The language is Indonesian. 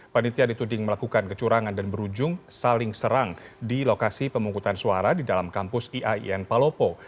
panitia dituding melakukan kecurangan dan berujung saling serang di lokasi pemungkutan suara di dalam kampus iain palopo